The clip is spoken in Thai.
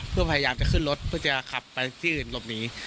เพื่อพยายามจะขึ้นรถเพื่อจะขับไปที่อื่นหลบหนี